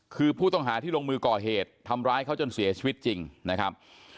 คือผู้ต้องหาที่ลงมือก่อเหตุทำร้ายเขาจนเสียชีวิตจริงนะครับ